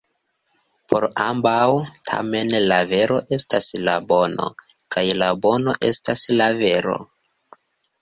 Por ambaŭ, tamen, la vero estas la bono, kaj la bono estas la vero.